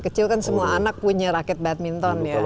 kalau kecil kan semua anak punya raket badminton ya